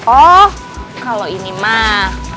oh kalau ini mah